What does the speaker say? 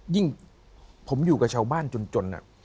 ยิ่งผมอยู่กับชาวบ้านจน